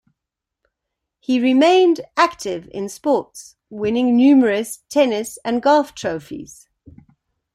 He remained active in sports, winning numerous tennis and golf trophies.